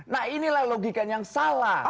nah inilah logikanya yang salah